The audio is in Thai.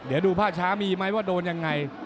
เดี๋ยวดูภาพช้ามีไหมว่าโดนยังไง